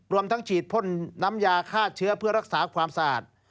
รวมทั้งฉีดพ่นน้ำยาฆ่าเชื้อเพื่อรักษาความสะอาด